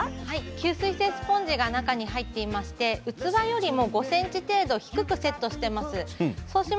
吸水性スポンジが中に入ってまして器よりも５ｃｍ程度低く設定しています。